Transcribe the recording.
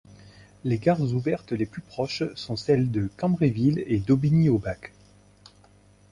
Les gares ouvertes les plus proches sont celles de Cambrai-Ville et d'Aubigny-au-Bac.